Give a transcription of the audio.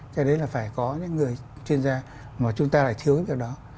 cho đến là phải có những người chuyên gia mà chúng ta lại thiếu cái việc đó